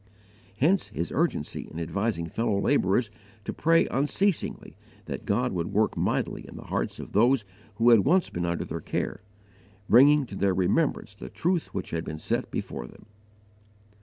Hence his urgency in advising fellow labourers to pray unceasingly that God would work mightily in the hearts of those who had once been under their care, bringing to their remembrance the truth which had been set before them.